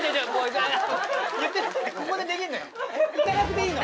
行かなくていいの。